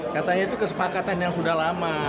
katanya itu kesepakatan yang sudah lama